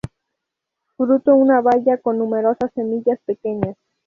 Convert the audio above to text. Fruto una baya con numerosas semillas pequeñas.